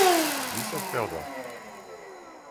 Нисам хтео да!